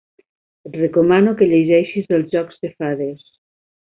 Et recomano que llegeixis els jocs de fades.